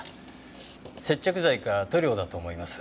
接着剤か塗料だと思います。